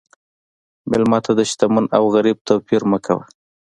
مېلمه ته د شتمن او غریب توپیر مه کوه.